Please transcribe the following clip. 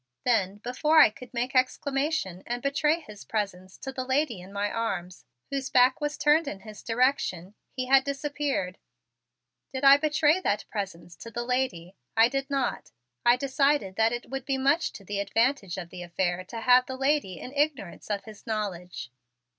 Then, before I could make exclamation and betray his presence to the lady in my arms, whose back was turned in his direction, he had disappeared. Did I betray that presence to the lady? I did not. I decided that it would be much to the advantage of the affair to have the lady in ignorance of his knowledge.